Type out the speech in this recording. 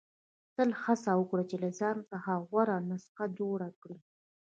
• تل هڅه وکړه چې له ځان څخه غوره نسخه جوړه کړې.